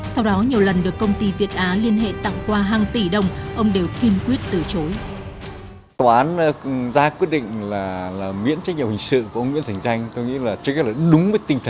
sau đó nhiều lần được công ty việt á liên hệ tặng quà hàng tỷ đồng ông đều kiên quyết từ chối